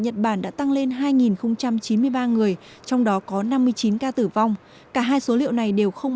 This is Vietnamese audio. nhật bản đã tăng lên hai chín mươi ba người trong đó có năm mươi chín ca tử vong cả hai số liệu này đều không